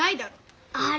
あれ？